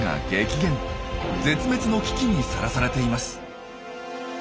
絶滅の危機にさらされています。